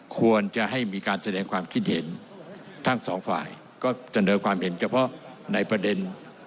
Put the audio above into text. ควรจะให้มีการแสดงความคิดเห็นทั้งสองฝ่ายก็เสนอความเห็นเฉพาะในประเด็น